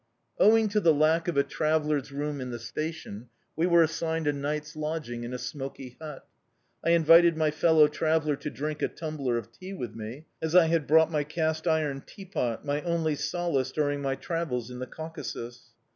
Owing to the lack of a travellers' room in the Station, we were assigned a night's lodging in a smoky hut. I invited my fellow traveller to drink a tumbler of tea with me, as I had brought my cast iron teapot my only solace during my travels in the Caucasus.